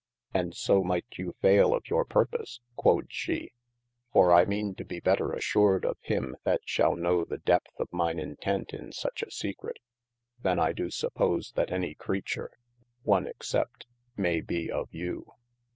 And so might you faile of your purpose (quod she) for I meane to be better assured of him that shal know the depth of mine intent in such a secrete, than I do suppose that any creature (one except) may be of you.